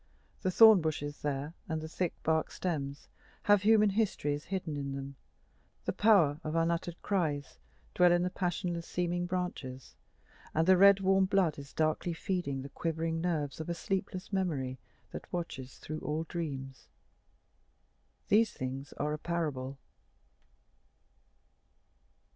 The thorn bushes there, and the thick barked stems, have human histories hidden in them; the power of unuttered cries dwells in the passionless seeming branches, and the red warm blood is darkly feeding the quivering nerves of a sleepless memory that watches through all dreams. These things are a parable.